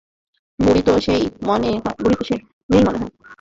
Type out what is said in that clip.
বুড়ি তো নেই মনেহয়।